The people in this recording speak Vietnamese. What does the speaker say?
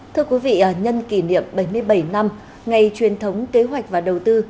thưa quý vị nhân kỷ niệm bảy mươi bảy năm ngày truyền thống kế hoạch và đầu tư